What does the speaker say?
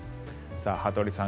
羽鳥さん